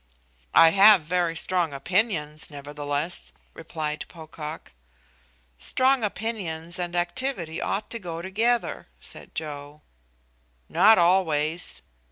"I have very strong opinions, nevertheless," replied Pocock. "Strong opinions and activity ought to go together," said Joe. "Not always."